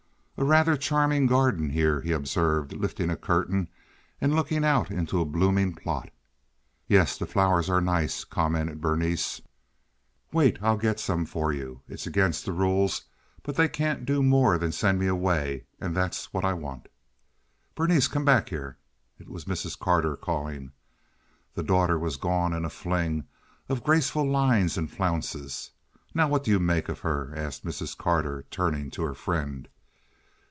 "A rather charming garden here," he observed, lifting a curtain and looking out into a blooming plot. "Yes, the flowers are nice," commented Berenice. "Wait; I'll get some for you. It's against the rules, but they can't do more than send me away, and that's what I want." "Berenice! Come back here!" It was Mrs. Carter calling. The daughter was gone in a fling of graceful lines and flounces. "Now what do you make of her?" asked Mrs. Carter, turning to her friend.